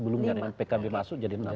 belum jadikan pkb masuk jadi enam